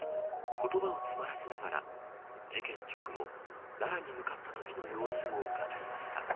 言葉を詰まらせながら事件直後奈良に向かったときの様子を語りました。